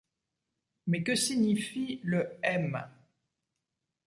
Mais que signifie le « M »?